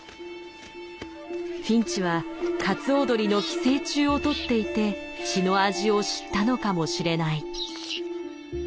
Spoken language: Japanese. フィンチはカツオドリの寄生虫を取っていて血の味を知ったのかもしれない。